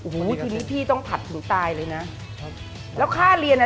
เฮ้ยพี่ต้องผัดถึงตายเลยนะ